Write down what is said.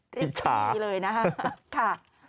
ผิดชาเลยนะฮะค่ะ